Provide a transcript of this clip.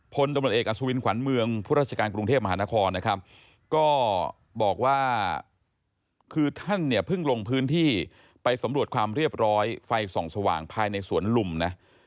พดออขวานเมืองพรกรุงเทพมหานครนะครับก็บอกว่าคือท่านเนี่ยเพิ่งลงพื้นที่ไปสำรวจความเรียบร้อยไฟส่องสว่างภายในสวนลุมนะ